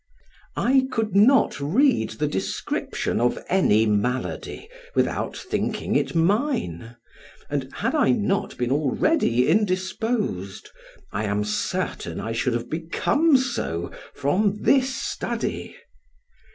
I could not read the description of any malady without thinking it mine, and, had I not been already indisposed, I am certain I should have become so from this study.